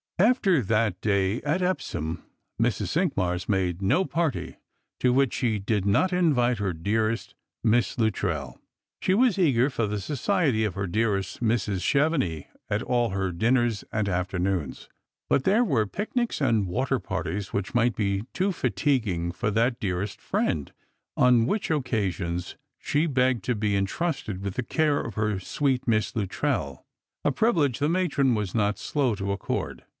After that day at Epsom Mrs. Cinqmars made no party to which she did not invite her dearest Miss Luttrell. She was eager for the society of her dearest Mrs. Chevenix at all her dinners and afternoons ; but there were picnics and water partiea which might be too fatiguing for that dearest friend, on which occasions she begged to be intrusted with the care of her sweet Miss Luttrell — a privilege the matron was not slow to accord.